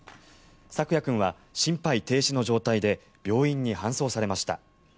朔矢君は心肺停止の状態で病院に搬送されました。